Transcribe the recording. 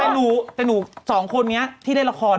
ไม่รู้แต่หนูสองคนนี้ที่ได้ละคร